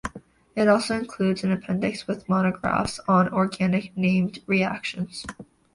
It also includes an appendix with monographs on organic named reactions.